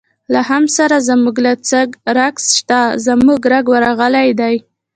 له حمد سره زموږ لږ څه رګ شته، زموږ رګ ورغلی دی.